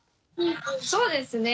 そうですね。